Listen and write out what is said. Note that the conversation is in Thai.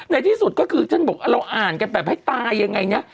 ในที่สุดก็คือฉันบอกว่าเราอ่านแบบให้ตายยังไงนะ